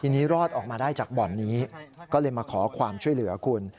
ทีนี้รอดออกมาได้จากบ่อนนี้ก็เลยมาขอความช่วยเหลือคุณ